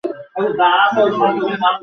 এটাই হতে পারে।